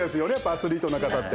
アスリートの方って。